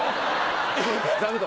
座布団。